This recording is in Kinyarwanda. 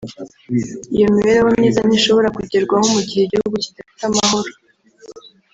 Iyo mibereho myiza ntishobora kugerwaho mu gihe igihugu kidafite amahoro